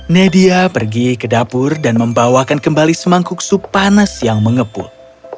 nadia pergi ke dapur dan membawakan kembali semangkuk sup panas yang mengepul